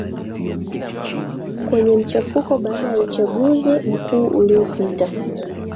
kwenye machafuko baada ya uchaguzi mkuu uliopita